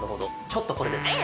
ちょっとこれですね。